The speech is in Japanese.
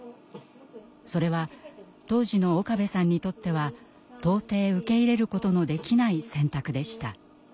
それは当時の岡部さんにとっては到底受け入れることのできない選択でした。